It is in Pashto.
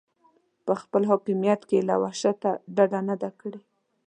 په خپل حاکمیت کې یې له وحشته ډډه نه ده کړې.